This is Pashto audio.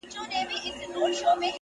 پر دې دُنیا سوځم پر هغه دُنیا هم سوځمه،